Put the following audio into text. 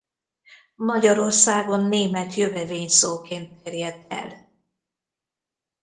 Magyarországon német jövevényszóként terjedt el.